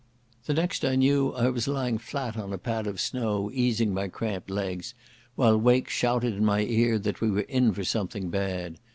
The next I knew I was lying flat on a pad of snow easing my cramped legs, while Wake shouted in my ear that we were in for something bad.